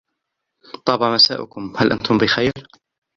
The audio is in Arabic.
طاب مساؤكم! هل أنتم بخير